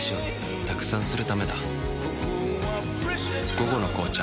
「午後の紅茶」